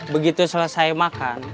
begitu selesai makan